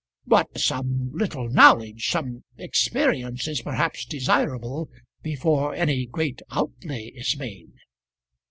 "But some little knowledge some experience is perhaps desirable before any great outlay is made."